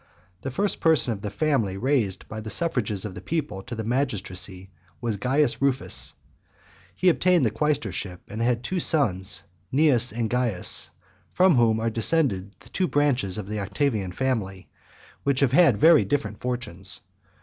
The first person of the family raised by the suffrages of the people to the magistracy, was Caius Rufus. He obtained the quaestorship, and had two sons, Cneius and Caius; from whom are descended the two branches of the Octavian family, which have had very different fortunes.